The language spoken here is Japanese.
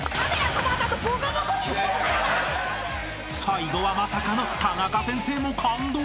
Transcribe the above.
［最後はまさかのタナカ先生も感動！？］